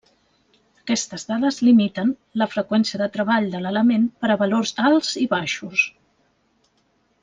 Aquestes dades limiten la freqüència de treball de l'element per a valors alts i baixos.